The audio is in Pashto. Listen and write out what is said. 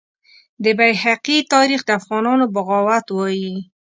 د بیهقي تاریخ د افغانانو بغاوت وایي.